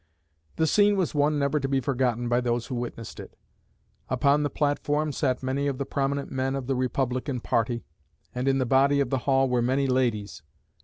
The scene was one never to be forgotten by those who witnessed it. Upon the platform sat many of the prominent men of the Republican party, and in the body of the hall were many ladies.